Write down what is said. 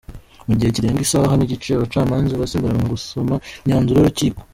Mu gihe kirenga isaha n’igice, Abacamanza basimburanwa gusoma imyanzuro y’Urukiko.